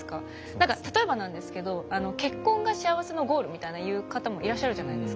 何か例えばなんですけどあの「結婚が幸せのゴール」みたいな言う方もいらっしゃるじゃないですか。